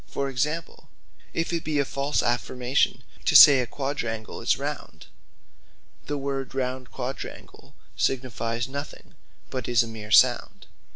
For example if it be a false affirmation to say A Quadrangle Is Round, the word Round Quadrangle signifies nothing; but is a meere sound.